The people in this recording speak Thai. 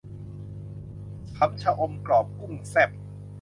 ยำชะอมกรอบกุ้งแซ่บ